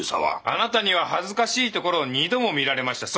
あなたには恥ずかしいところを二度も見られました。